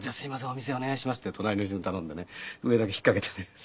お店お願いします」って隣の人に頼んでね上だけ引っかけてね。